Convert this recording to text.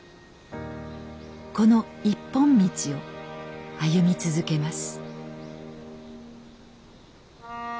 この一本道を歩み続けます。